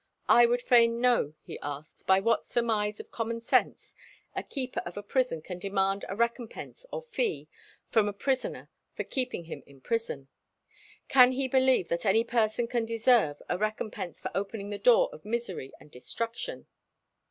I would fain know," he asks, "by what surmise of common sense a keeper of a prison can demand a recompense or fee from a prisoner for keeping him in prison? ... Can he believe that any person can deserve a recompense for opening the door of misery and destruction?